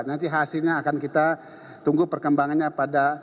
nanti hasilnya akan kita tunggu perkembangannya pada